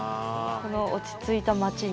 この落ち着いた町に。